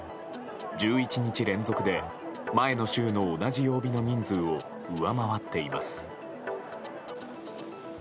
１１日連続で前の週の同じ曜日の人数を上回っています。